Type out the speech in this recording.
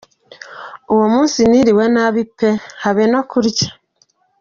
Uwo munsi niriwe nabi pe! Habe no kurya.